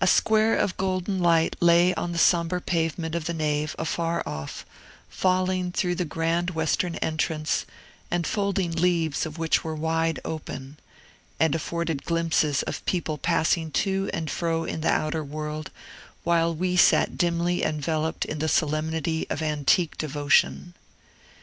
A square of golden light lay on the sombre pavement of the nave, afar off, falling through the grand western entrance, the folding leaves of which were wide open, and afforded glimpses of people passing to and fro in the outer world, while we sat dimly enveloped in the solemnity of antique devotion.